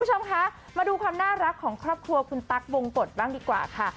คุณผู้ชมคะมาดูความน่ารักของครอบครัวคุณตั๊กวงกฎบ้างดีกว่าค่ะ